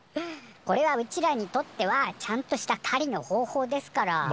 これはうちらにとってはちゃんとしたかりの方法ですから。